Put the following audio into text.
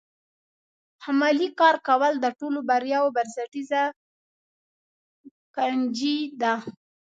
عملي کار کول د ټولو بریاوو بنسټیزه کنجي ده.